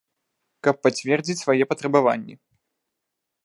Каб пацвердзіць свае патрабаванні.